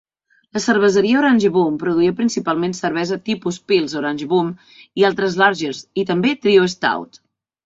La cerveseria Oranjeboom produïa principalment cervesa tipus Pils Oranjeboom i altres lagers, i també Trio Stout.